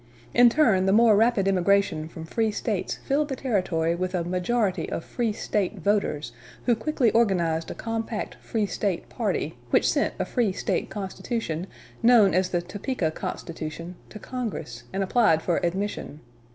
In turn, the more rapid emigration from free States filled the Territory with a majority of free State voters, who quickly organized a compact free State party, which sent a free State constitution, known as the Topeka Constitution, to Congress, and applied for admission.